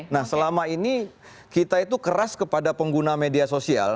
nah selama ini kita itu keras kepada pengguna media sosial